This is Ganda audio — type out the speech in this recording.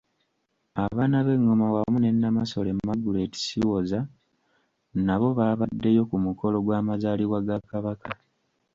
Abaana b'engoma wamu ne Namasole Margaret Siwoza n'abo baabaddeyo ku mukolo gw'amazaalibwa ga Kabaka.